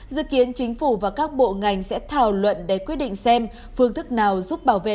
dự kiến chính phủ và các bộ ngành sẽ thảo luận để quyết định xem phương thức nào giúp bảo vệ